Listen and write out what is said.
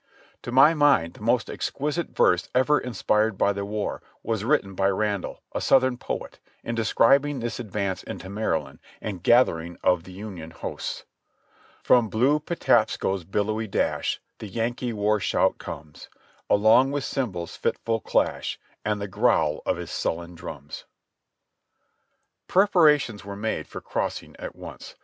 To my mind the most exquisite verse ever inspired by the w^ar was written by Randall, the Southern poet, in describing this advance into Maryland, and the gathering of the Union Hosts : "From blue Patapsco's billowy dash The Yankee war shout comes, Along with cymbals' fitful clash And the growl of his sullen drums." Preparations were made for crossing at once.